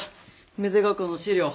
芽出ヶ丘の史料。